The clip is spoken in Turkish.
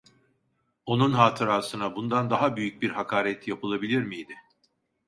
Onun hatırasına bundan daha büyük bir hakaret yapılabilir miydi?